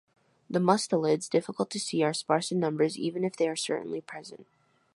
The mustelids, difficult to see are sparse in numbers even if they are certainly present.